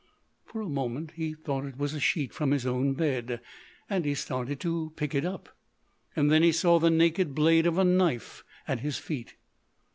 For a moment he thought it was a sheet from his own bed, and he started to pick it up. Then he saw the naked blade of a knife at his feet.